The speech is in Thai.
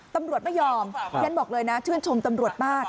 ตำรวจไม่ยอมฉันบอกเลยนะชื่นชมตำรวจมาก